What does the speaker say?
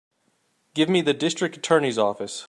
Give me the District Attorney's office.